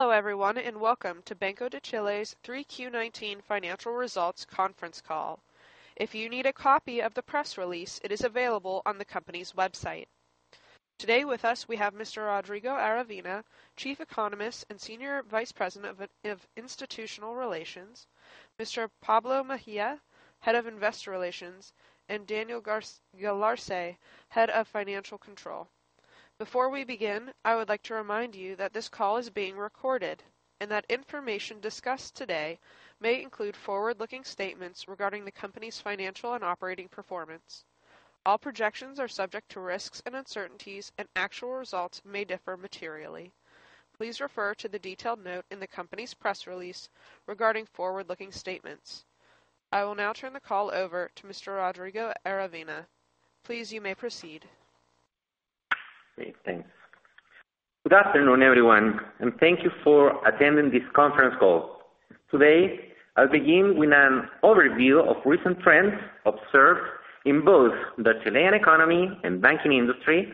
Hello, everyone, and welcome to Banco de Chile's 3Q19 financial results conference call. If you need a copy of the press release, it is available on the company's website. Today with us, we have Mr. Rodrigo Aravena, Chief Economist and Senior Vice President of Institutional Relations, Mr. Pablo Mejia, Head of Investor Relations, and Daniel Galarce, Head of Financial Control. Before we begin, I would like to remind you that this call is being recorded, and that information discussed today may include forward-looking statements regarding the company's financial and operating performance. All projections are subject to risks and uncertainties, and actual results may differ materially. Please refer to the detailed note in the company's press release regarding forward-looking statements. I will now turn the call over to Mr. Rodrigo Aravena. Please, you may proceed. Great. Thanks. Good afternoon, everyone, and thank you for attending this conference call. Today, I'll begin with an overview of recent trends observed in both the Chilean economy and banking industry,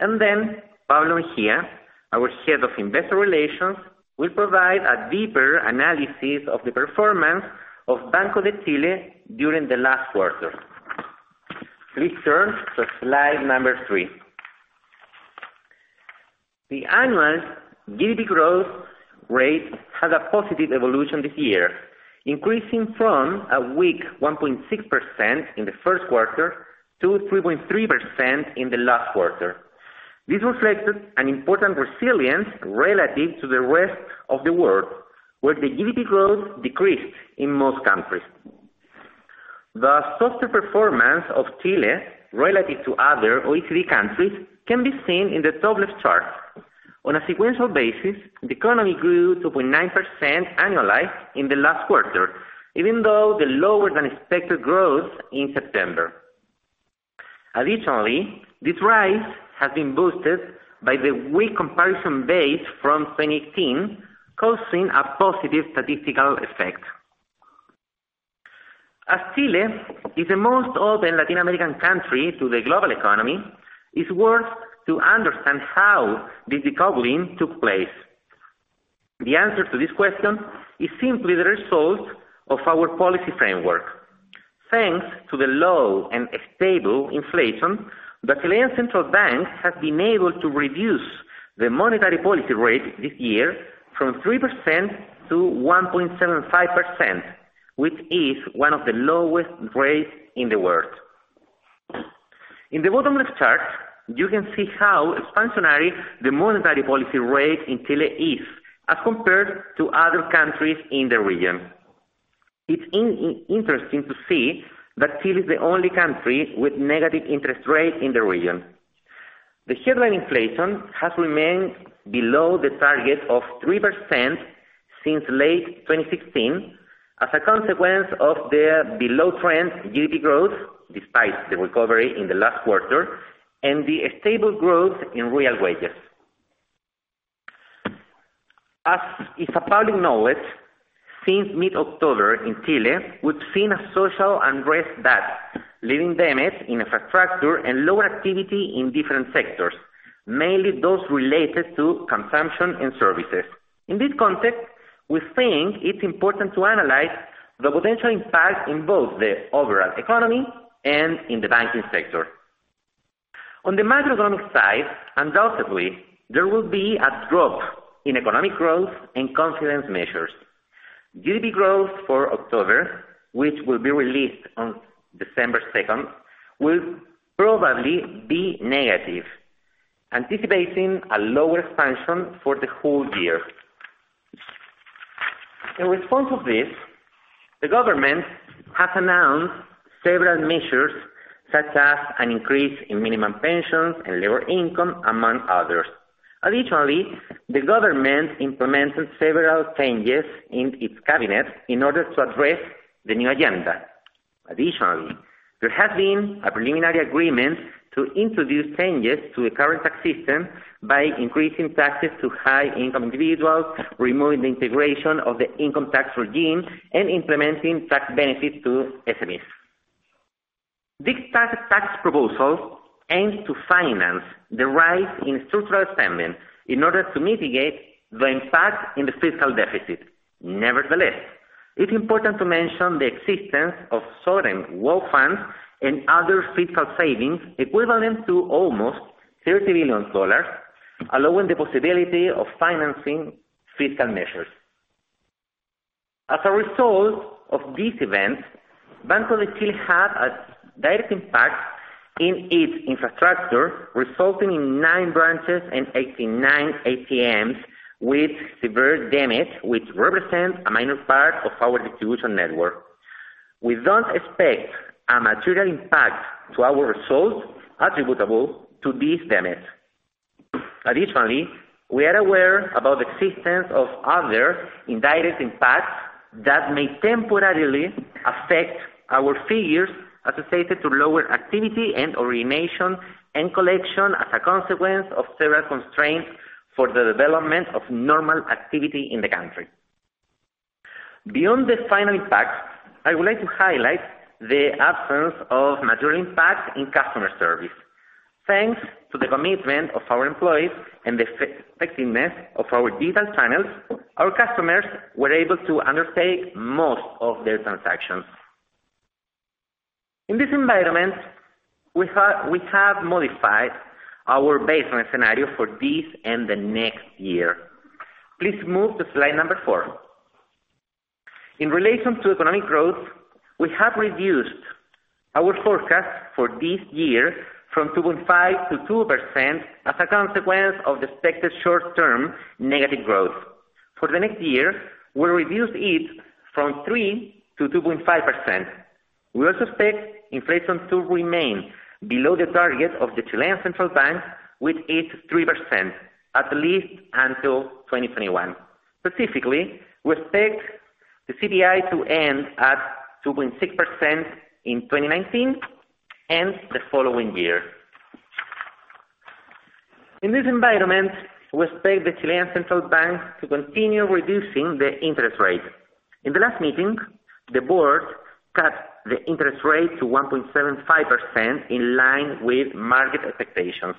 and then Pablo Mejía, our Head of Investor Relations, will provide a deeper analysis of the performance of Banco de Chile during the last quarter. Please turn to slide number three. The annual GDP growth rate had a positive evolution this year, increasing from a weak 1.6% in the first quarter to 3.3% in the last quarter. This reflected an important resilience relative to the rest of the world, where the GDP growth decreased in most countries. The softer performance of Chile relative to other OECD countries can be seen in the top-left chart. On a sequential basis, the economy grew 2.9% annualized in the last quarter, even though the lower-than-expected growth in September. Additionally, this rise has been boosted by the weak comparison base from 2018, causing a positive statistical effect. Chile is the most open Latin American country to the global economy, it's worth to understand how this decoupling took place. The answer to this question is simply the result of our policy framework. Thanks to the low and stable inflation, the Chilean Central Bank has been able to reduce the monetary policy rate this year from 3% to 1.75%, which is one of the lowest rates in the world. In the bottom-left chart, you can see how expansionary the monetary policy rate in Chile is as compared to other countries in the region. It's interesting to see that Chile is the only country with negative interest rates in the region. The headline inflation has remained below the target of 3% since late 2016 as a consequence of the below-trend GDP growth, despite the recovery in the last quarter, and the stable growth in real wages. As is common knowledge, since mid-October in Chile, we've seen a social unrest that leaving damage in infrastructure and lower activity in different sectors, mainly those related to consumption and services. In this context, we think it's important to analyze the potential impact in both the overall economy and in the banking sector. GDP growth for October, which will be released on December 2nd, will probably be negative, anticipating a lower expansion for the whole year. In response to this, the government has announced several measures such as an increase in minimum pensions and lower income, among others. Additionally, the government implemented several changes in its cabinet in order to address the new agenda. Additionally, there has been a preliminary agreement to introduce changes to the current tax system by increasing taxes to high income individuals, removing the integration of the income tax regime, and implementing tax benefits to SMEs. This tax proposal aims to finance the rise in structural spending in order to mitigate the impact in the fiscal deficit. Nevertheless, it's important to mention the existence of sovereign wealth funds and other fiscal savings equivalent to almost 30 billion dollars, allowing the possibility of financing fiscal measures. As a result of these events, Banco de Chile had a direct impact in its infrastructure, resulting in nine branches and 89 ATMs with severe damage, which represent a minor part of our distribution network. We don't expect a material impact to our results attributable to this damage. Additionally, we are aware about the existence of other indirect impacts that may temporarily affect our figures associated to lower activity and origination and collection as a consequence of several constraints for the development of normal activity in the country. Beyond the final impact, I would like to highlight the absence of material impact in customer service. Thanks to the commitment of our employees and the effectiveness of our digital channels, our customers were able to undertake most of their transactions. In this environment, we have modified our baseline scenario for this and the next year. Please move to slide number four. In relation to economic growth, we have reduced our forecast for this year from 2.5% to 2% as a consequence of the expected short-term negative growth. For the next year, we reduced it from 3% to 2.5%. We also expect inflation to remain below the target of the Chilean Central Bank, which is 3%, at least until 2021. Specifically, we expect the CPI to end at 2.6% in 2019 and the following year. In this environment, we expect the Chilean Central Bank to continue reducing the interest rate. In the last meeting, the board cut the interest rate to 1.75% in line with market expectations.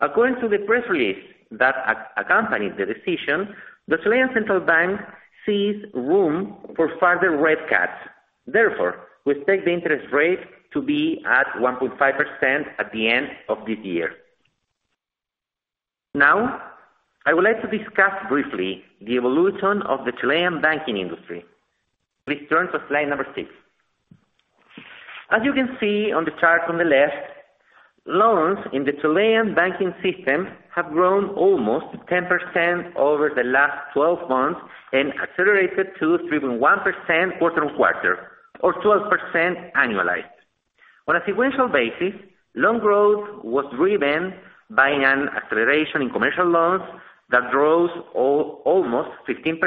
According to the press release that accompanies the decision, the Chilean Central Bank sees room for further rate cuts. We expect the interest rate to be at 1.5% at the end of this year. I would like to discuss briefly the evolution of the Chilean banking industry. Please turn to slide number six. As you can see on the chart on the left, loans in the Chilean banking system have grown almost 10% over the last 12 months and accelerated to 3.1% quarter-on-quarter, or 12% annualized. On a sequential basis, loan growth was driven by an acceleration in commercial loans that rose almost 15%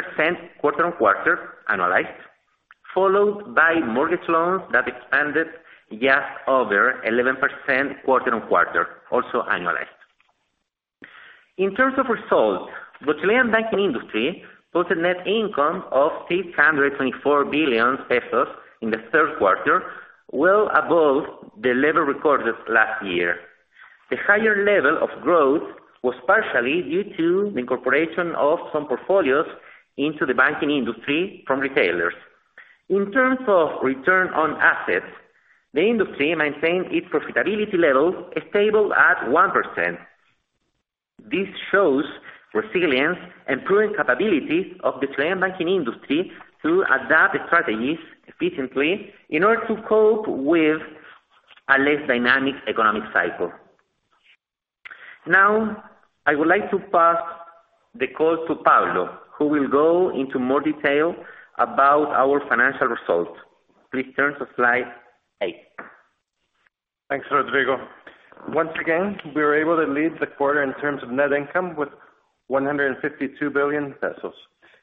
quarter-on-quarter annualized, followed by mortgage loans that expanded just over 11% quarter-on-quarter, also annualized. In terms of results, the Chilean banking industry posted net income of 624 billion pesos in the third quarter, well above the level recorded last year. The higher level of growth was partially due to the incorporation of some portfolios into the banking industry from retailers. In terms of return on assets, the industry maintained its profitability level stable at 1%. This shows resilience and proven capability of the Chilean banking industry to adapt strategies efficiently in order to cope with a less dynamic economic cycle. I would like to pass the call to Pablo, who will go into more detail about our financial results. Please turn to slide eight. Thanks, Rodrigo. Once again, we were able to lead the quarter in terms of net income with 152 billion pesos.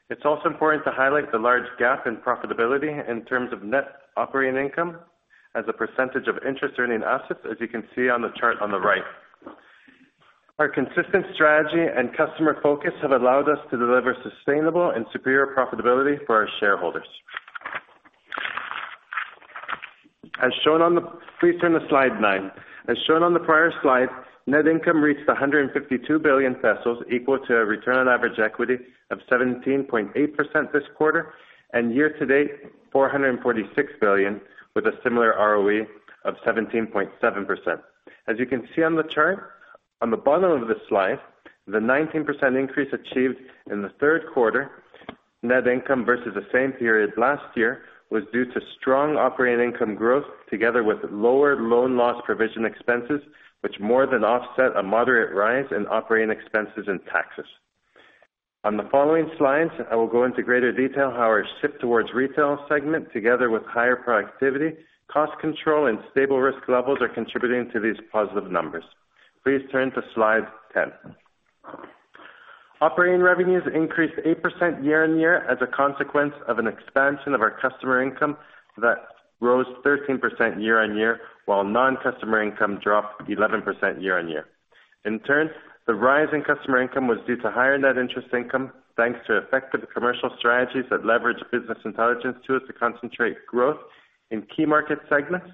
It is also important to highlight the large gap in profitability in terms of net operating income as a percentage of interest-earning assets, as you can see on the chart on the right. Our consistent strategy and customer focus have allowed us to deliver sustainable and superior profitability for our shareholders. Please turn to slide nine. As shown on the prior slide, net income reached 152 billion pesos, equal to a return on average equity of 17.8% this quarter, and year to date, 446 billion, with a similar ROE of 17.7%. As you can see on the chart on the bottom of the slide, the 19% increase achieved in the third quarter net income versus the same period last year was due to strong operating income growth together with lower loan loss provision expenses, which more than offset a moderate rise in operating expenses and taxes. On the following slides, I will go into greater detail how our shift towards retail segment, together with higher productivity, cost control, and stable risk levels, are contributing to these positive numbers. Please turn to slide 10. Operating revenues increased 8% year-on-year as a consequence of an expansion of our customer income that rose 13% year-on-year, while non-customer income dropped 11% year-on-year. The rise in customer income was due to higher net interest income, thanks to effective commercial strategies that leveraged business intelligence tools to concentrate growth in key market segments,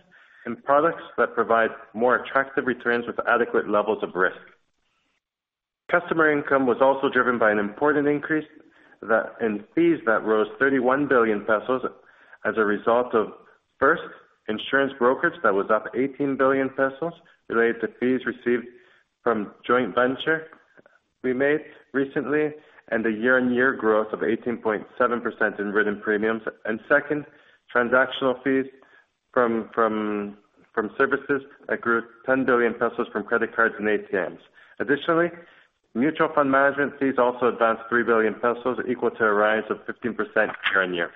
and products that provide more attractive returns with adequate levels of risk. Customer income was also driven by an important increase in fees that rose 31 billion pesos as a result of, first, insurance brokers that was up 18 billion pesos related to fees received from joint venture we made recently, and a year-on-year growth of 18.7% in written premiums. Second, transactional fees from services that grew 10 billion pesos from credit cards and ATMs. Additionally, mutual fund management fees also advanced 3 billion pesos, equal to a rise of 15% year-on-year.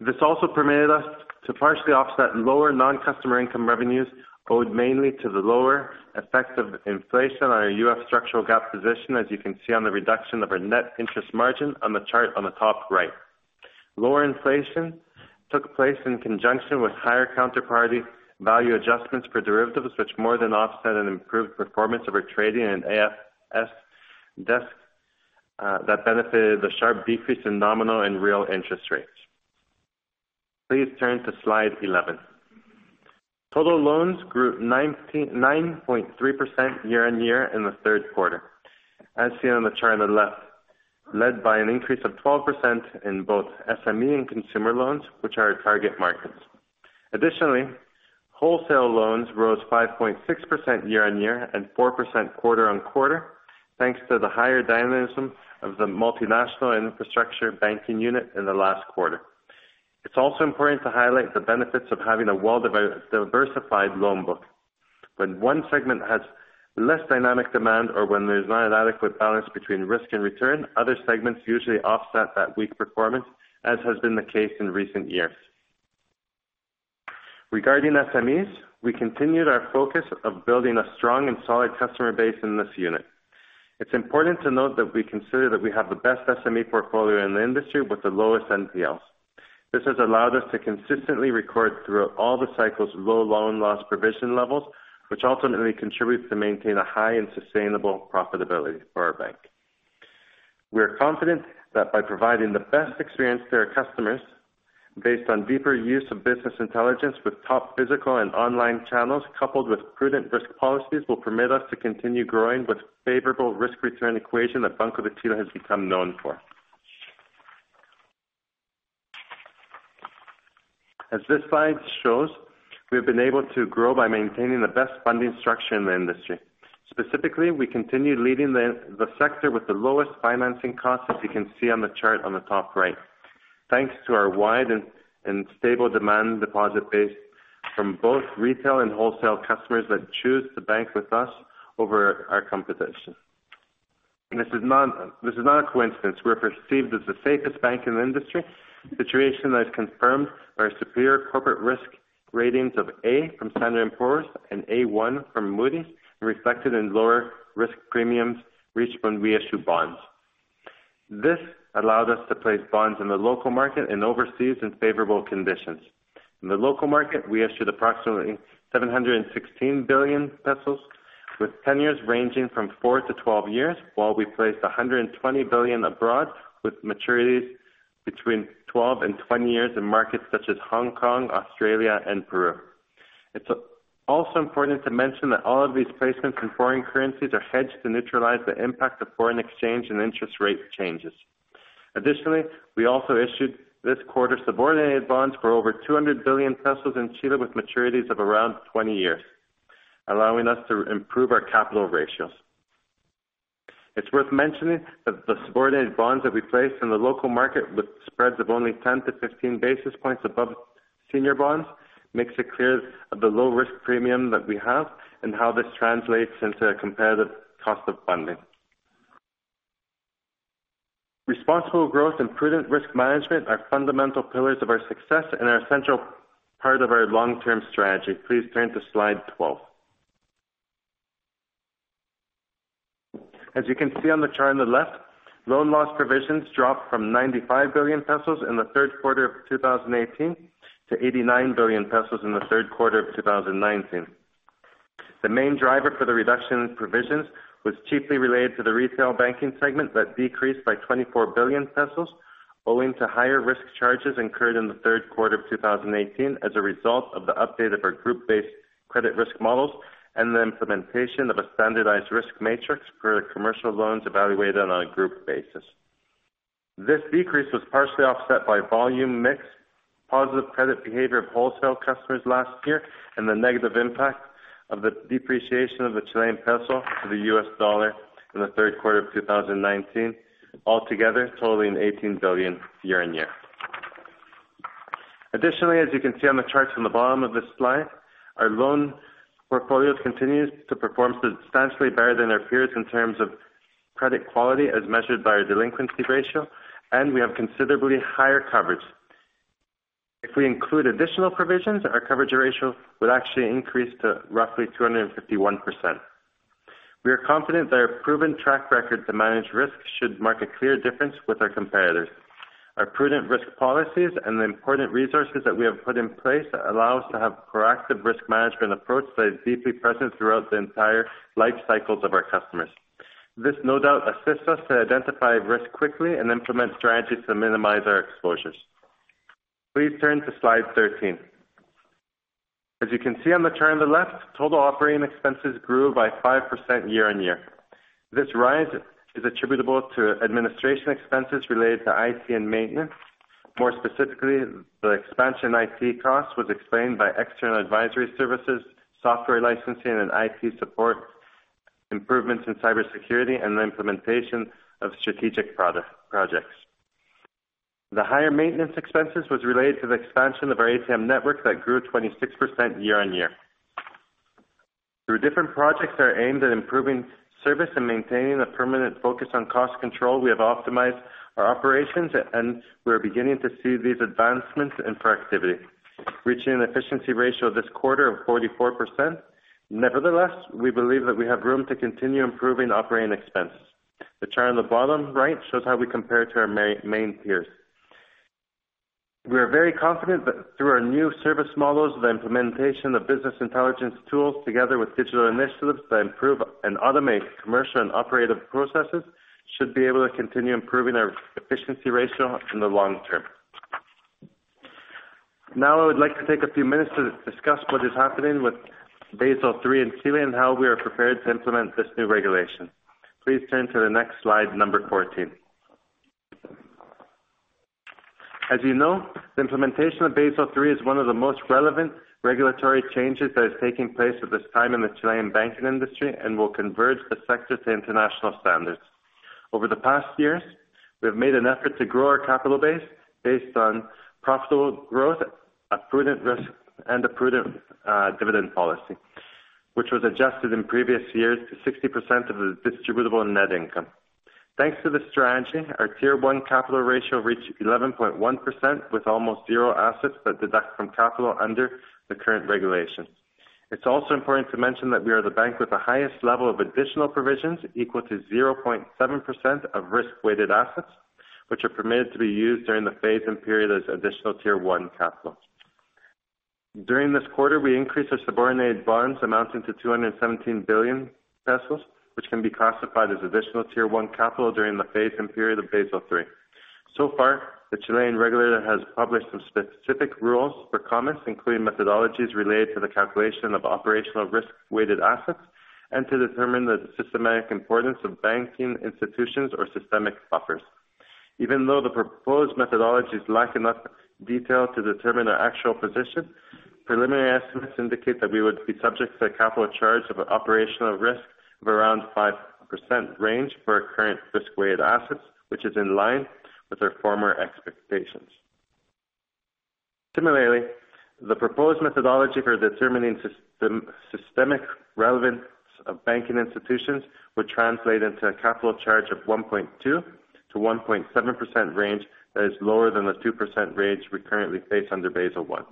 This also permitted us to partially offset lower non-customer income revenues owed mainly to the lower effective inflation on our US structural gap position, as you can see on the reduction of our net interest margin on the chart on the top right. Lower inflation took place in conjunction with higher counterparty value adjustments for derivatives, which more than offset an improved performance of our trading and AFS desk that benefited the sharp decrease in nominal and real interest rates. Please turn to slide 11. Total loans grew 9.3% year-on-year in the third quarter, as seen on the chart on the left, led by an increase of 12% in both SME and consumer loans, which are our target markets. Wholesale loans rose 5.6% year-on-year and 4% quarter-on-quarter, thanks to the higher dynamism of the multinational infrastructure banking unit in the last quarter. It's also important to highlight the benefits of having a well-diversified loan book. When one segment has less dynamic demand or when there's not an adequate balance between risk and return, other segments usually offset that weak performance, as has been the case in recent years. Regarding SMEs, we continued our focus of building a strong and solid customer base in this unit. It's important to note that we consider that we have the best SME portfolio in the industry with the lowest NPLs. This has allowed us to consistently record, throughout all the cycles, low loan loss provision levels, which ultimately contributes to maintain a high and sustainable profitability for our bank. We are confident that by providing the best experience to our customers based on deeper use of business intelligence with top physical and online channels, coupled with prudent risk policies, will permit us to continue growing with favorable risk-return equation that Banco de Chile has become known for. As this slide shows, we have been able to grow by maintaining the best funding structure in the industry. Specifically, we continue leading the sector with the lowest financing costs, as you can see on the chart on the top right, thanks to our wide and stable demand deposit base from both retail and wholesale customers that choose to bank with us over our competition. This is not a coincidence. We're perceived as the safest bank in the industry. Situation that is confirmed by our superior corporate risk ratings of A from Standard & Poor's and A1 from Moody's, reflected in lower risk premiums reached when we issue bonds. This allowed us to place bonds in the local market and overseas in favorable conditions. In the local market, we issued approximately 716 billion pesos, with tenures ranging from 4-12 years, while we placed 120 billion abroad with maturities between 12 and 20 years in markets such as Hong Kong, Australia, and Peru. It's also important to mention that all of these placements in foreign currencies are hedged to neutralize the impact of foreign exchange and interest rate changes. Additionally, we also issued this quarter subordinated bonds for over 200 billion pesos in Chile with maturities of around 20 years, allowing us to improve our capital ratios. It's worth mentioning that the subordinated bonds that we placed in the local market with spreads of only 10-15 basis points above senior bonds makes it clear of the low risk premium that we have and how this translates into a competitive cost of funding. Responsible growth and prudent risk management are fundamental pillars of our success and are a central part of our long-term strategy. Please turn to slide 12. As you can see on the chart on the left, loan loss provisions dropped from 95 billion pesos in the third quarter of 2018 to 89 billion pesos in the third quarter of 2019. The main driver for the reduction in provisions was chiefly related to the retail banking segment that decreased by 24 billion pesos, owing to higher risk charges incurred in the third quarter of 2018 as a result of the update of our group-based credit risk models and the implementation of a standardized risk matrix for commercial loans evaluated on a group basis. This decrease was partially offset by volume mix, positive credit behavior of wholesale customers last year, and the negative impact of the depreciation of the Chilean peso to the USD in the third quarter of 2019. Altogether totaling 18 billion year-on-year. As you can see on the charts on the bottom of this slide, our loan portfolios continue to perform substantially better than our peers in terms of credit quality, as measured by our delinquency ratio, and we have considerably higher coverage. If we include additional provisions, our coverage ratio would actually increase to roughly 251%. We are confident that our proven track record to manage risk should mark a clear difference with our competitors. Our prudent risk policies and the important resources that we have put in place allow us to have proactive risk management approach that is deeply present throughout the entire life cycles of our customers. This no doubt assists us to identify risk quickly and implement strategies to minimize our exposures. Please turn to slide 13. As you can see on the chart on the left, total operating expenses grew by 5% year-on-year. This rise is attributable to administration expenses related to IT and maintenance. More specifically, the expansion IT cost was explained by external advisory services, software licensing and IT support, improvements in cybersecurity, and the implementation of strategic projects. The higher maintenance expenses was related to the expansion of our ATM network that grew 26% year-on-year. Through different projects that are aimed at improving service and maintaining a permanent focus on cost control, we have optimized our operations and we are beginning to see these advancements in productivity. Reaching an efficiency ratio this quarter of 44%. Nevertheless, we believe that we have room to continue improving operating expense. The chart on the bottom right shows how we compare to our main peers. We are very confident that through our new service models, the implementation of business intelligence tools, together with digital initiatives that improve and automate commercial and operative processes, should be able to continue improving our efficiency ratio in the long term. I would like to take a few minutes to discuss what is happening with Basel III in Chile and how we are prepared to implement this new regulation. Please turn to the next slide, number 14. As you know, the implementation of Basel III is one of the most relevant regulatory changes that is taking place at this time in the Chilean banking industry and will converge the sector to international standards. Over the past years, we have made an effort to grow our capital base based on profitable growth, a prudent risk, and a prudent dividend policy, which was adjusted in previous years to 60% of the distributable net income. Thanks to this strategy, our Tier 1 capital ratio reached 11.1% with almost zero assets that deduct from capital under the current regulation. It's also important to mention that we are the bank with the highest level of additional provisions equal to 0.7% of risk-weighted assets, which are permitted to be used during the phase-in period as additional Tier 1 capital. During this quarter, we increased our subordinated bonds amounting to 217 billion pesos, which can be classified as additional Tier 1 capital during the phase-in period of Basel III. The Chilean regulator has published some specific rules for comments, including methodologies related to the calculation of operational risk-weighted assets and to determine the systematic importance of banking institutions or systemic buffers. Even though the proposed methodologies lack enough detail to determine the actual position, preliminary estimates indicate that we would be subject to a capital charge of an operational risk of around 5% range for our current risk-weighted assets, which is in line with our former expectations. Similarly, the proposed methodology for determining systemic relevance of banking institutions would translate into a capital charge of 1.2%-1.7% range that is lower than the 2% range we currently face under Basel I.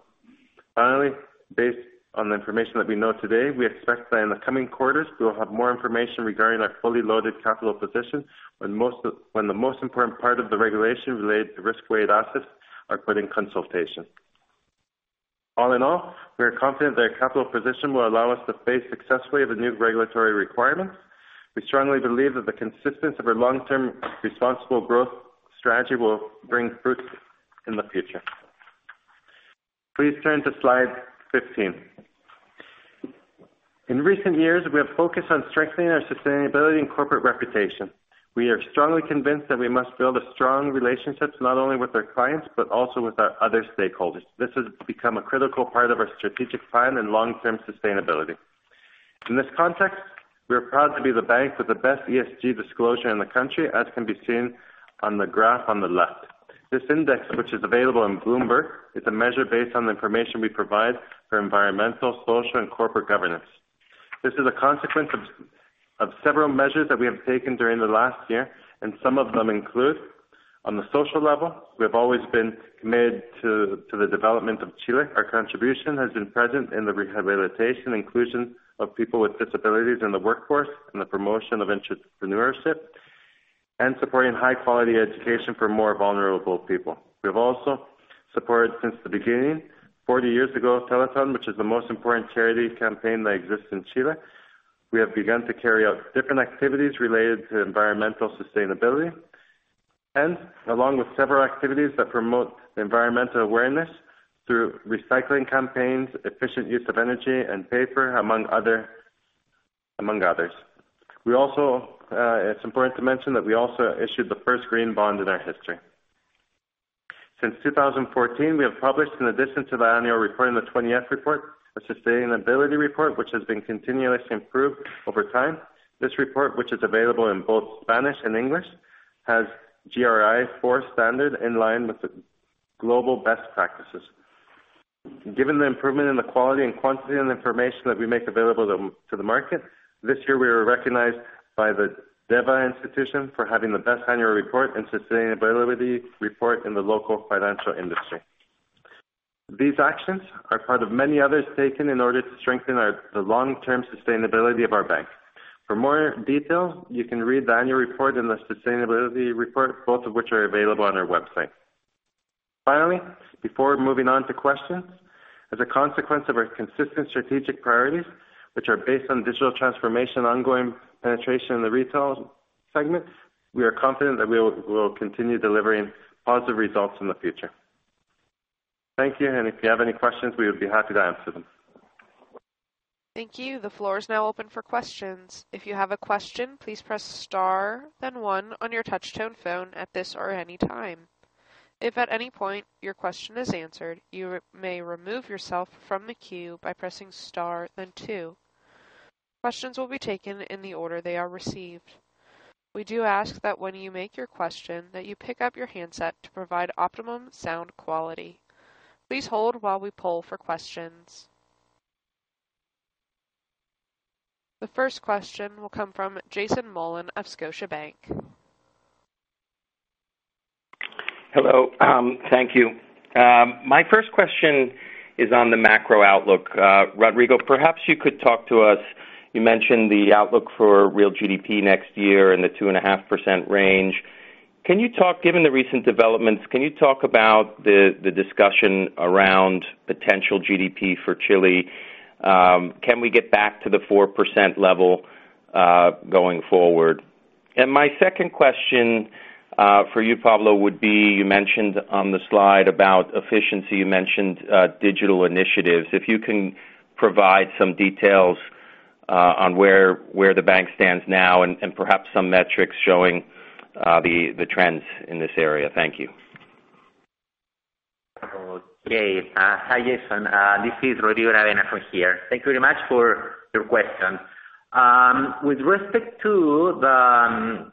Finally, based on the information that we know today, we expect that in the coming quarters, we will have more information regarding our fully loaded capital position when the most important part of the regulation related to risk-weighted assets are put in consultation. All in all, we are confident that our capital position will allow us to face successfully the new regulatory requirements. We strongly believe that the consistence of our long-term responsible growth strategy will bring fruits in the future. Please turn to slide 15. In recent years, we have focused on strengthening our sustainability and corporate reputation. We are strongly convinced that we must build strong relationships not only with our clients but also with our other stakeholders. This has become a critical part of our strategic plan and long-term sustainability. In this context, we are proud to be the bank with the best ESG disclosure in the country, as can be seen on the graph on the left. This index, which is available on Bloomberg, is a measure based on the information we provide for environmental, social, and corporate governance. This is a consequence of several measures that we have taken during the last year, and some of them include, on the social level, we have always been committed to the development of Chile. Our contribution has been present in the rehabilitation, inclusion of people with disabilities in the workforce, and the promotion of entrepreneurship, and supporting high-quality education for more vulnerable people. We have also supported since the beginning, 40 years ago, Teletón, which is the most important charity campaign that exists in Chile. We have begun to carry out different activities related to environmental sustainability, hence, along with several activities that promote environmental awareness through recycling campaigns, efficient use of energy and paper, among others. It's important to mention that we also issued the first green bond in our history. Since 2014, we have published, in addition to the annual report and the 20-F report, a sustainability report, which has been continuously improved over time. This report, which is available in both Spanish and English, has GRI four standard in line with the global best practices. Given the improvement in the quality and quantity of the information that we make available to the market, this year we were recognized by the Deva for having the best annual report and sustainability report in the local financial industry. These actions are part of many others taken in order to strengthen the long-term sustainability of our bank. For more detail, you can read the annual report and the sustainability report, both of which are available on our website. Before moving on to questions, as a consequence of our consistent strategic priorities, which are based on digital transformation, ongoing penetration in the retail segments, we are confident that we will continue delivering positive results in the future. Thank you, and if you have any questions, we would be happy to answer them. Thank you. The floor is now open for questions. If you have a question, please press star then one on your touch-tone phone at this or any time. If at any point your question is answered, you may remove yourself from the queue by pressing star then two. Questions will be taken in the order they are received. We do ask that when you make your question, that you pick up your handset to provide optimum sound quality. Please hold while we poll for questions. The first question will come from Jason Mollin of Scotiabank. Hello. Thank you. My first question is on the macro outlook. Rodrigo, perhaps you could talk to us. You mentioned the outlook for real GDP next year in the 2.5% range. Given the recent developments, can you talk about the discussion around potential GDP for Chile? Can we get back to the 4% level, going forward? My second question, for you, Pablo, would be, you mentioned on the slide about efficiency, you mentioned digital initiatives. If you can provide some details on where the bank stands now and perhaps some metrics showing the trends in this area. Thank you. Okay. Hi, Jason. This is Rodrigo Aravena from here. Thank you very much for your question. With respect to the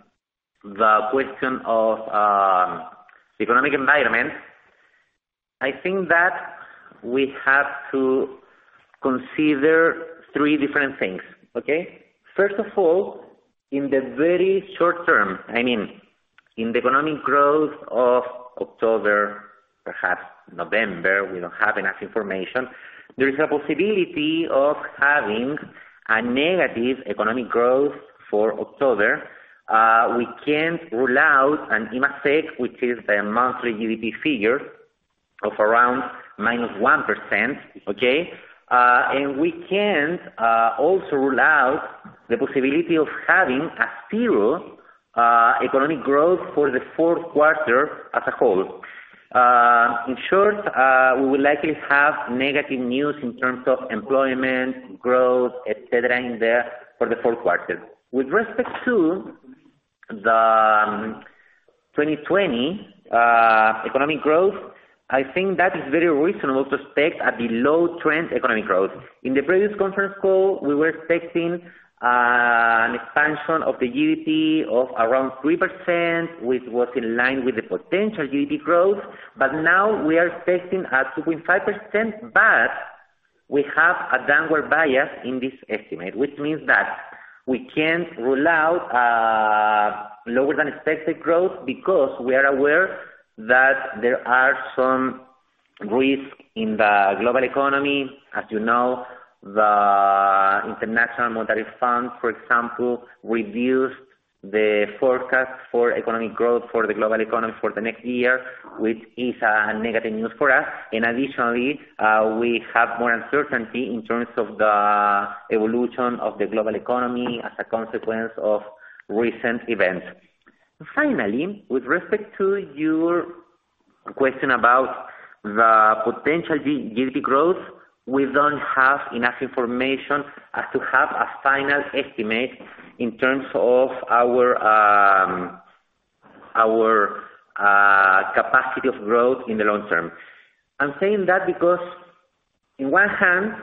question of economic environment, I think that we have to consider three different things, okay? First of all, in the very short term, in the economic growth of October, perhaps November, we don't have enough information. There is a possibility of having a negative economic growth for October. We can't rule out an Imacec, which is the monthly GDP figure, of around -1%, okay? We can't also rule out the possibility of having a zero economic growth for the fourth quarter as a whole. In short, we will likely have negative news in terms of employment, growth, et cetera, for the fourth quarter. With respect to the 2020 economic growth, I think that is very reasonable to expect at the low trend economic growth. In the previous conference call, we were expecting an expansion of the GDP of around 3%, which was in line with the potential GDP growth. Now we are expecting at 2.5%, but we have a downward bias in this estimate, which means that we can't rule out lower than expected growth because we are aware that there are some risks in the global economy. As you know, the International Monetary Fund, for example, reduced the forecast for economic growth for the global economy for the next year, which is a negative news for us. Additionally, we have more uncertainty in terms of the evolution of the global economy as a consequence of recent events. Finally, with respect to your question about the potential GDP growth, we don't have enough information as to have a final estimate in terms of our capacity of growth in the long term. I'm saying that because in one hand,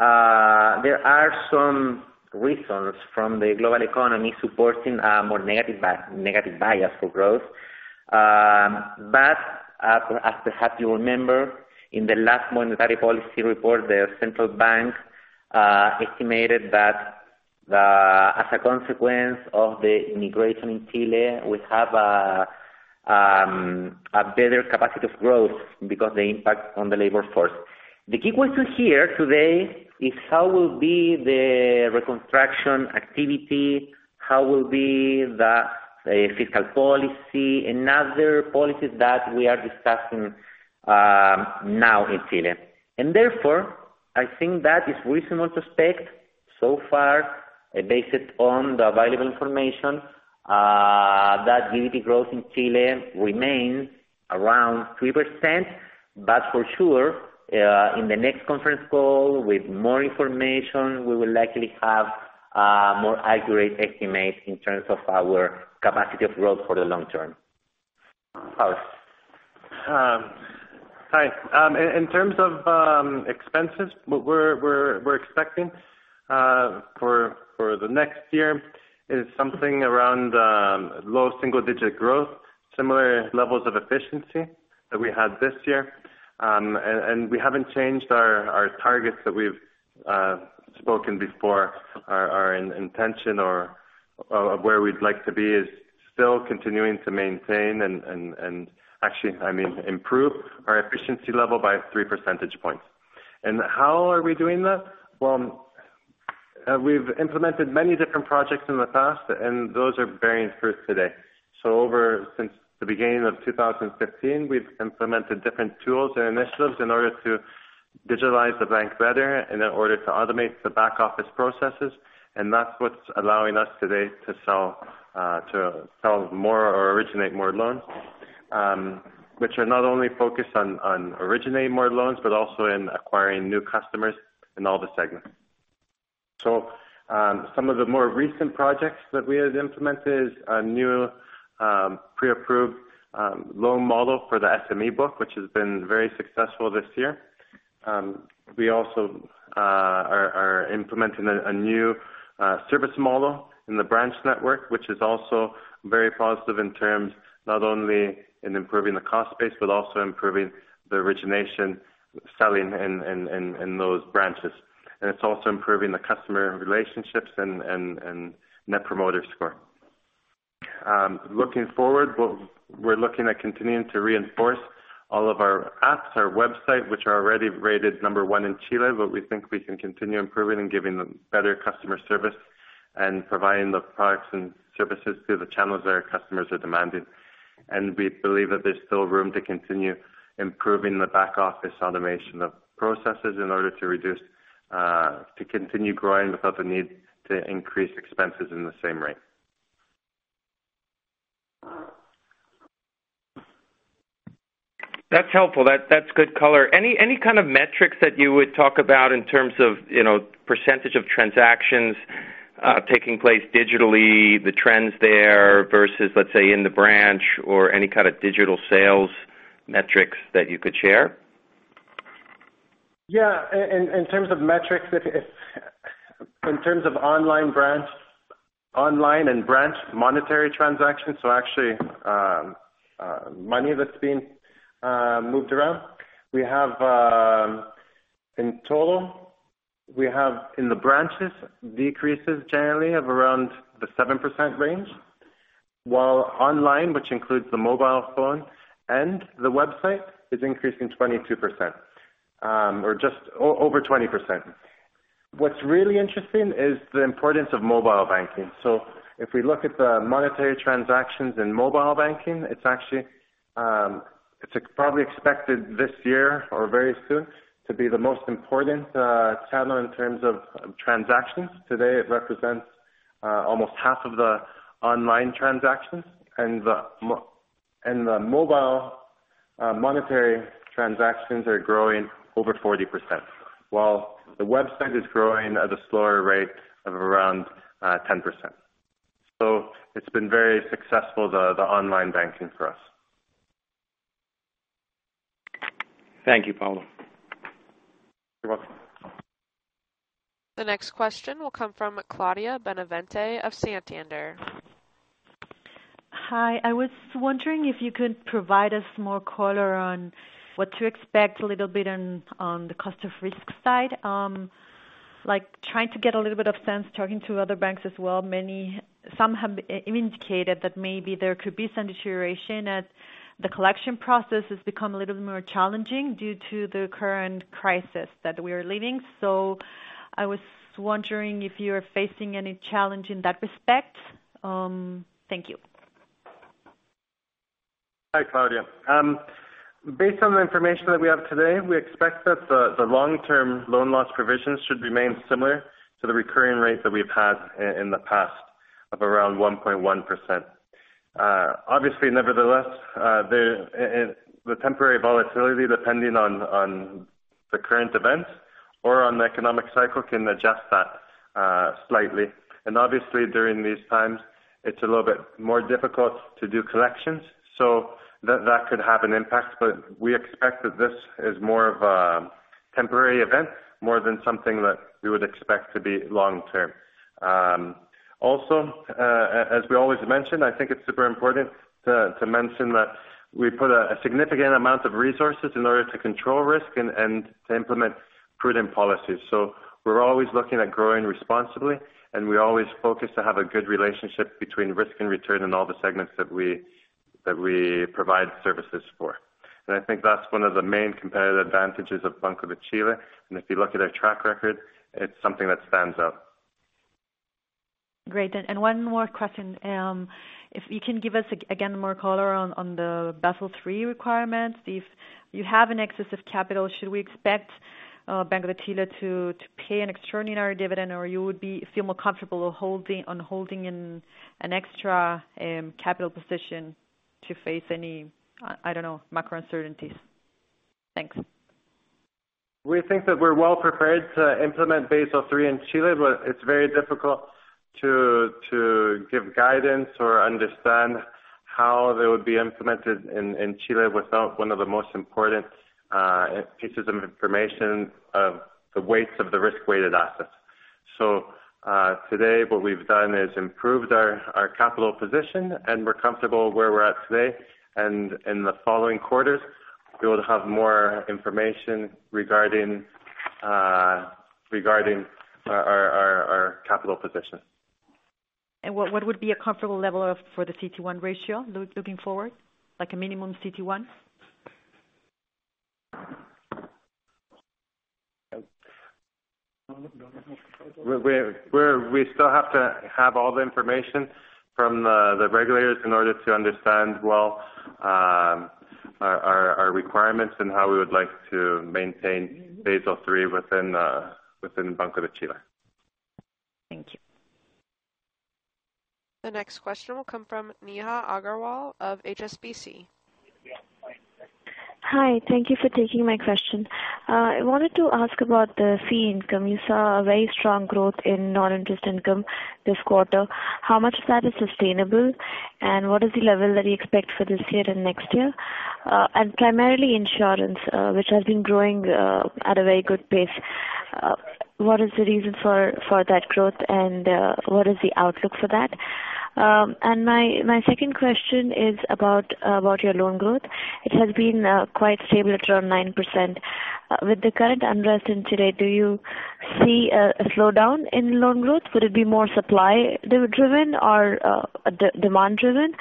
there are some reasons from the global economy supporting a more negative bias for growth. As perhaps you remember, in the last monetary policy report, the Central Bank estimated that as a consequence of the immigration in Chile, we have a better capacity of growth because the impact on the labor force. The key question here today is how will be the reconstruction activity, how will be the fiscal policy, and other policies that we are discussing now in Chile. Therefore, I think that is reasonable to expect so far, based on the available information, that GDP growth in Chile remains around 3%. But for sure, in the next conference call, with more information, we will likely have more accurate estimates in terms of our capacity of growth for the long term. Pablo. Hi. In terms of expenses, what we're expecting for the next year is something around low single-digit growth, similar levels of efficiency that we had this year. We haven't changed our targets that we've spoken before. Our intention or where we'd like to be is still continuing to maintain and actually, improve our efficiency level by three percentage points. How are we doing that? Well, we've implemented many different projects in the past, and those are bearing fruit today. Over since the beginning of 2015, we've implemented different tools and initiatives in order to digitalize the bank better, in order to automate the back office processes. That's what's allowing us today to sell more or originate more loans, which are not only focused on originating more loans, but also in acquiring new customers in all the segments. Some of the more recent projects that we have implemented is a new pre-approved loan model for the SME book, which has been very successful this year. We also are implementing a new service model in the branch network, which is also very positive in terms, not only in improving the cost base, but also improving the origination, selling in those branches. It's also improving the customer relationships and net promoter score. Looking forward, we're looking at continuing to reinforce all of our apps, our website, which are already rated number one in Chile, but we think we can continue improving and giving them better customer service and providing the products and services through the channels that our customers are demanding. We believe that there's still room to continue improving the back-office automation of processes in order to continue growing without the need to increase expenses in the same rate. That's helpful. That's good color. Any kind of metrics that you would talk about in terms of percentage of transactions taking place digitally, the trends there versus, let's say, in the branch or any kind of digital sales metrics that you could share? Yeah. In terms of online and branch monetary transactions, actually money that's been moved around, in total, we have in the branches decreases generally of around the 7% range. While online, which includes the mobile phone and the website, is increasing 22%, or just over 20%. What's really interesting is the importance of mobile banking. If we look at the monetary transactions in mobile banking, it's probably expected this year or very soon to be the most important channel in terms of transactions. Today, it represents almost half of the online transactions, and the mobile monetary transactions are growing over 40%, while the website is growing at a slower rate of around 10%. It's been very successful, the online banking for us. Thank you, Pablo. You're welcome. The next question will come from Claudia Benavente of Santander. Hi, I was wondering if you could provide us more color on what to expect a little bit on the cost of risk side. Like trying to get a little bit of sense, talking to other banks as well, some have indicated that maybe there could be some deterioration at the collection process has become a little bit more challenging due to the current crisis that we are living. I was wondering if you are facing any challenge in that respect? Thank you. Hi, Claudia. Based on the information that we have today, we expect that the long-term loan loss provisions should remain similar to the recurring rate that we've had in the past of around 1.1%. Nevertheless, the temporary volatility, depending on the current events or on the economic cycle, can adjust that slightly. Obviously, during these times, it's a little bit more difficult to do collections, so that could have an impact. We expect that this is more of a temporary event more than something that we would expect to be long-term. As we always mention, I think it's super important to mention that we put a significant amount of resources in order to control risk and to implement prudent policies. We're always looking at growing responsibly, and we always focus to have a good relationship between risk and return in all the segments that we provide services for. I think that's one of the main competitive advantages of Banco de Chile. If you look at our track record, it's something that stands out. Great. One more question. If you can give us, again, more color on the Basel III requirements. If you have an excess of capital, should we expect Banco de Chile to pay an extraordinary dividend, or you would feel more comfortable on holding an extra capital position to face any, I don't know, macro uncertainties? Thanks. We think that we're well prepared to implement Basel III in Chile, it's very difficult to give guidance or understand how they would be implemented in Chile without one of the most important pieces of information of the weights of the risk-weighted assets. Today, what we've done is improved our capital position, and we're comfortable where we're at today, and in the following quarters, we will have more information regarding our capital position. What would be a comfortable level for the CET1 ratio looking forward, like a minimum CET1? We still have to have all the information from the regulators in order to understand well our requirements and how we would like to maintain Basel III within Banco de Chile. Thank you. The next question will come from Neha Agarwala of HSBC. Hi. Thank you for taking my question. I wanted to ask about the fee income. You saw a very strong growth in non-interest income this quarter. How much of that is sustainable, and what is the level that you expect for this year and next year? Primarily insurance, which has been growing at a very good pace, what is the reason for that growth, and what is the outlook for that? My second question is about your loan growth. It has been quite stable at around 9%. With the current unrest in Chile, do you see a slowdown in loan growth? Would it be more supply driven or demand driven?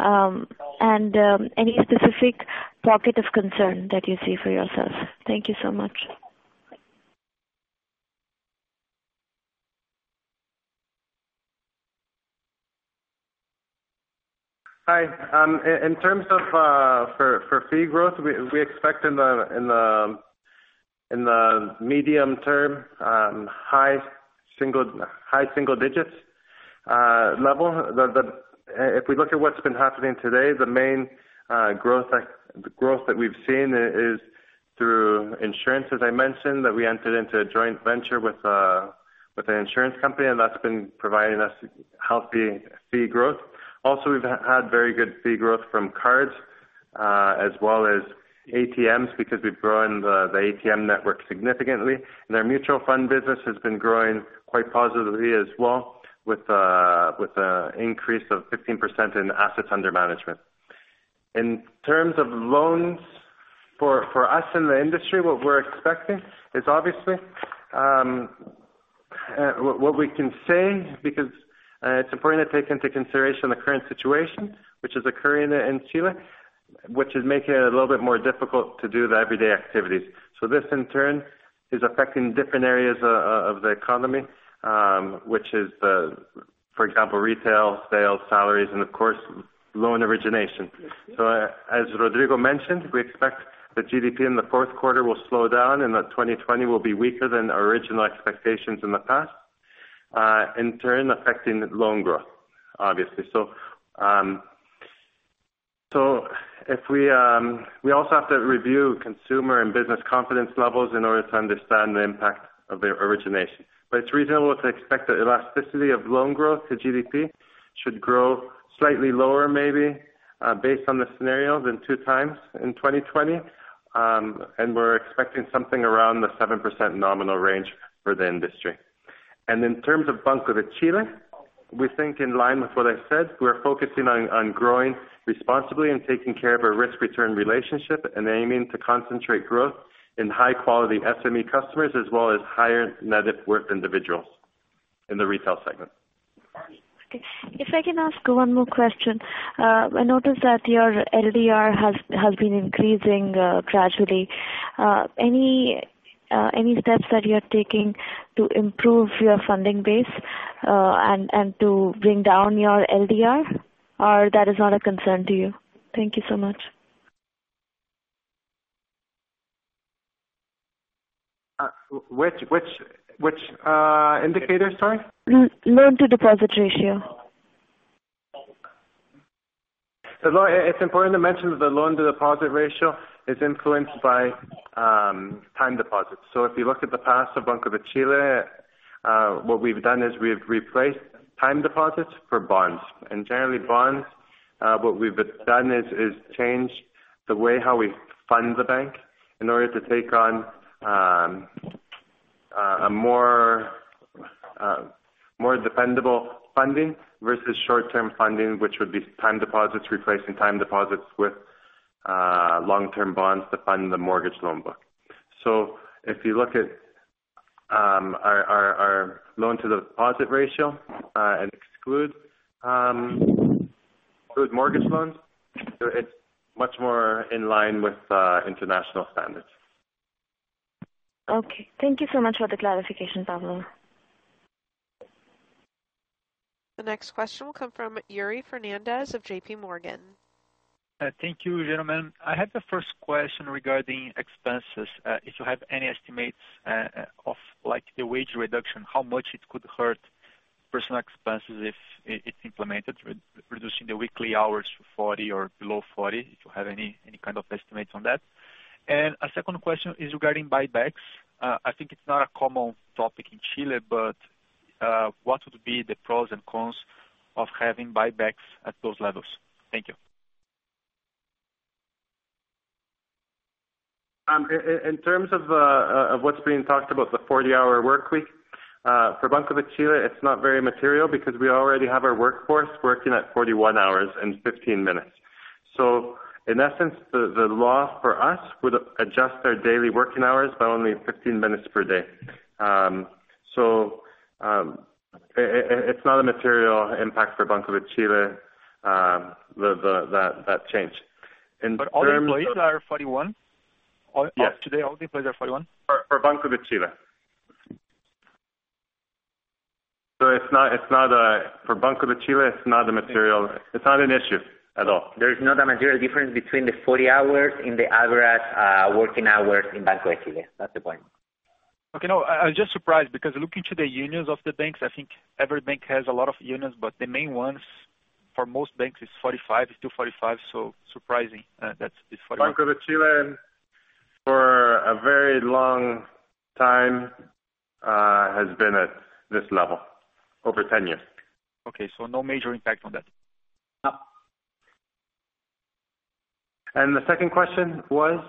Any specific pocket of concern that you see for yourselves? Thank you so much. Hi. For fee growth, we expect in the medium term, high single digits level. If we look at what's been happening today, the main growth that we've seen is through insurance, as I mentioned, that we entered into a joint venture with an insurance company, and that's been providing us healthy fee growth. Also, we've had very good fee growth from cards as well as ATMs because we've grown the ATM network significantly. Our mutual fund business has been growing quite positively as well, with an increase of 15% in assets under management. In terms of loans, for us in the industry, what we're expecting is What we can say, because it's important to take into consideration the current situation which is occurring in Chile, which is making it a little bit more difficult to do the everyday activities. This, in turn, is affecting different areas of the economy, for example, retail, sales, salaries, and of course, loan origination. As Rodrigo mentioned, we expect the GDP in the fourth quarter will slow down, and that 2020 will be weaker than original expectations in the past, in turn affecting loan growth, obviously. We also have to review consumer and business confidence levels in order to understand the impact of the origination. It's reasonable to expect that elasticity of loan growth to GDP should grow slightly lower maybe, based on the scenario than two times in 2020. We're expecting something around the 7% nominal range for the industry. In terms of Banco de Chile, we think in line with what I said, we are focusing on growing responsibly and taking care of our risk-return relationship and aiming to concentrate growth in high-quality SME customers as well as higher net worth individuals in the retail segment. Okay. If I can ask one more question. I noticed that your LDR has been increasing gradually. Any steps that you are taking to improve your funding base and to bring down your LDR? That is not a concern to you? Thank you so much. Which indicator, sorry? Loan-to-deposit ratio. It's important to mention that the loan-to-deposit ratio is influenced by time deposits. If you look at the past of Banco de Chile, what we've done is we've replaced time deposits for bonds. Generally, bonds, what we've done is change the way how we fund the bank in order to take on a more dependable funding versus short-term funding, which would be time deposits, replacing time deposits with long-term bonds to fund the mortgage loan book. If you look at our loan-to-deposit ratio and exclude mortgage loans, it's much more in line with international standards. Okay. Thank you so much for the clarification, Pablo. The next question will come from Yuri Fernandes of JP Morgan. Thank you, gentlemen. I have the first question regarding expenses. If you have any estimates of the wage reduction, how much it could hurt personal expenses if it's implemented, reducing the weekly hours to 40 or below 40, if you have any kind of estimates on that? A second question is regarding buybacks. I think it's not a common topic in Chile, what would be the pros and cons of having buybacks at those levels? Thank you. In terms of what's being talked about, the 40-hour workweek, for Banco de Chile, it's not very material because we already have our workforce working at 41 hours and 15 minutes. In essence, the law for us would adjust our daily working hours by only 15 minutes per day. It's not a material impact for Banco de Chile, that change. All the employees are 41? Yes. Today, all the employees are 41? For Banco de Chile. For Banco de Chile, it's not an issue at all. There is not a material difference between the 40 hours and the average working hours in Banco de Chile. That's the point. Okay. No, I was just surprised because looking to the unions of the banks, I think every bank has a lot of unions, but the main ones for most banks is 45, is to 45. Surprising that it's 41. Banco de Chile, for a very long time, has been at this level, over 10 years. Okay. No major impact on that? No. The second question was?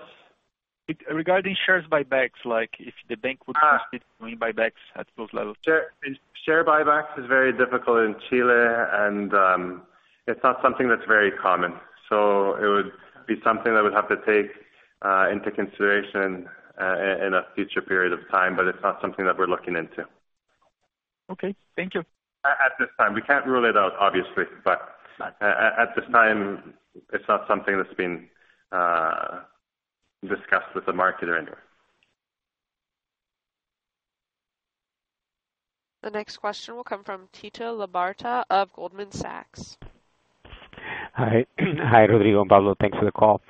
Regarding shares buybacks, if the bank would consider doing buybacks at those levels. Share buybacks is very difficult in Chile. It's not something that's very common. It would be something that would have to take into consideration in a future period of time, but it's not something that we're looking into. Okay. Thank you. At this time. We can't rule it out, obviously, but at this time, it's not something that's been discussed with the market or anywhere. The next question will come from Tito Labarta of Goldman Sachs. Hi, Rodrigo and Pablo. Thanks for the call.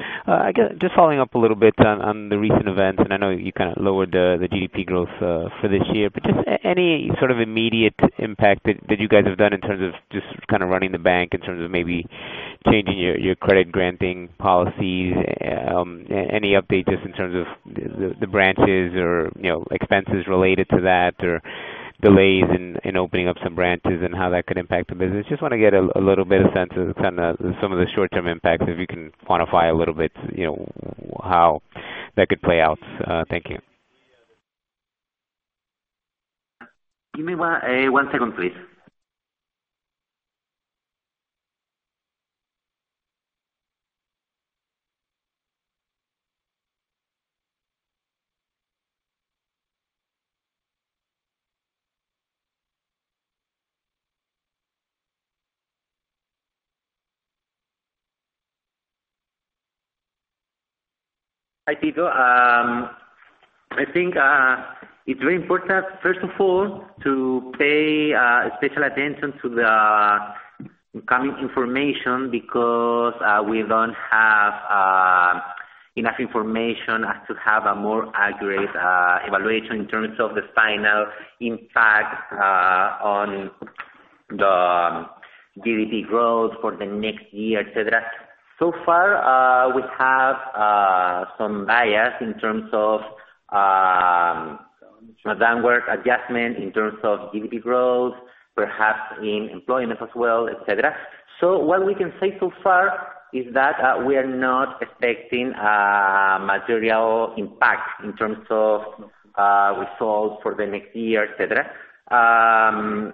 Just following up a little bit on the recent events. I know you kind of lowered the GDP growth for this year, but just any sort of immediate impact that you guys have done in terms of just kind of running the bank, in terms of maybe changing your credit granting policies? Any update just in terms of the branches or expenses related to that, or delays in opening up some branches and how that could impact the business? Just want to get a little bit of sense of some of the short term impacts, if you can quantify a little bit how that could play out. Thank you. Give me one second, please. Hi, Tito. I think it's very important, first of all, to pay special attention to the incoming information because, we don't have enough information as to have a more accurate evaluation in terms of the final impact on the GDP growth for the next year, et cetera. Far, we have some bias in terms of downward adjustment, in terms of GDP growth, perhaps in employment as well, et cetera. What we can say so far is that we are not expecting material impact in terms of results for the next year, et cetera.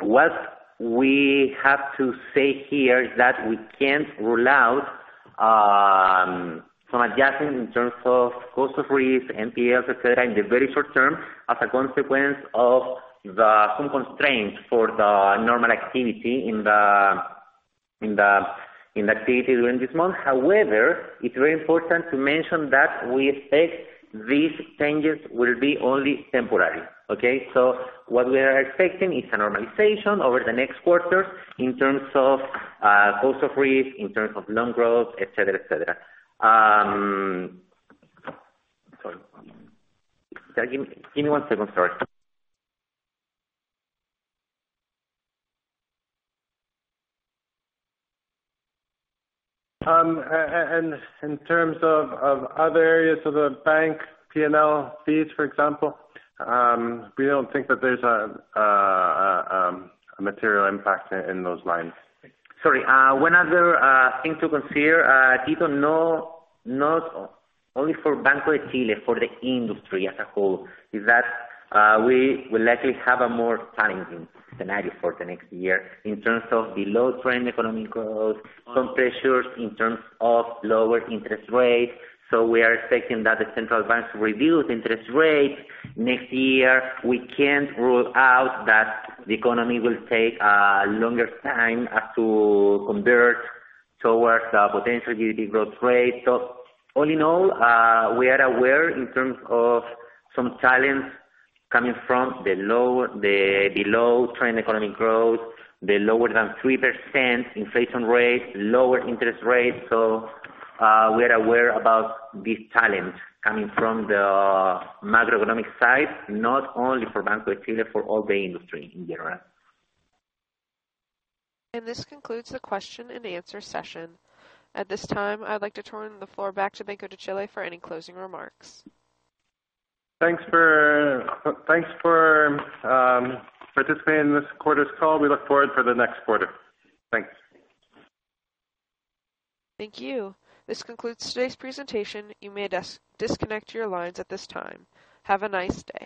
What we have to say here is that we can't rule out some adjustment in terms of cost of risk, NPLs, et cetera, in the very short term as a consequence of some constraints for the normal activity in the activities during this month. It's very important to mention that we expect these changes will be only temporary. Okay? What we are expecting is a normalization over the next quarter in terms of cost of risk, in terms of loan growth, et cetera. Give me one second. Sorry. In terms of other areas of the bank, P&L fees, for example. We don't think that there's a material impact in those lines. Sorry. One other thing to consider, Tito, not only for Banco de Chile, for the industry as a whole, is that we will likely have a more challenging scenario for the next year in terms of the low trend economic growth, some pressures in terms of lower interest rates. We are expecting that the central bank reviews interest rates next year. We can't rule out that the economy will take a longer time as to convert towards a potential GDP growth rate. All in all, we are aware in terms of some challenge coming from the below trend economic growth, the lower than 3% inflation rate, lower interest rate. We are aware about this challenge coming from the macroeconomic side, not only for Banco de Chile, for all the industry in general. This concludes the question and answer session. At this time, I'd like to turn the floor back to Banco de Chile for any closing remarks. Thanks for participating in this quarter's call. We look forward for the next quarter. Thanks. Thank you. This concludes today's presentation. You may disconnect your lines at this time. Have a nice day.